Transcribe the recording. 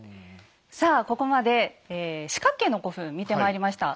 さあここまで四角形の古墳見てまいりました。